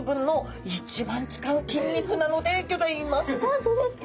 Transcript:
本当ですか！